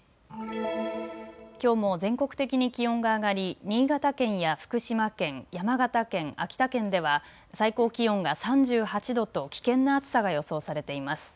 きょうも全国的に気温が上がり新潟県や福島県、山形県、秋田県では最高気温が３８度と危険な暑さが予想されています。